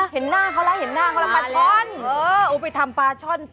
เห็นหน้าเค้าแล้วเห็นหน้าเค้าแล้วปลาช้อน